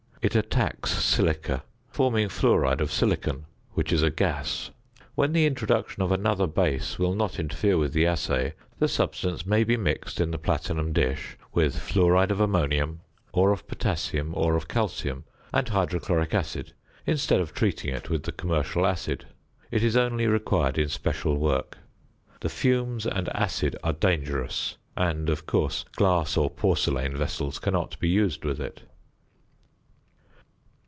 It attacks silica, forming fluoride of silicon, which is a gas. When the introduction of another base will not interfere with the assay, the substance may be mixed in the platinum dish with fluoride of ammonium, or of potassium, or of calcium, and hydrochloric acid, instead of treating it with the commercial acid. It is only required in special work. The fumes and acid are dangerous, and, of course, glass or porcelain vessels cannot be used with it.